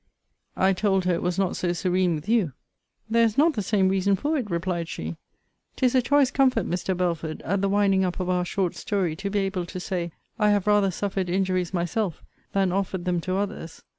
I told her it was not so serene with you. There is not the same reason for it, replied she. 'Tis a choice comfort, Mr. Belford, at the winding up of our short story, to be able to say, I have rather suffered injuries myself, than offered them to others.